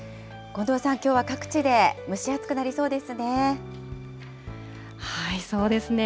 近藤さん、きょうは各地で蒸し暑そうですね。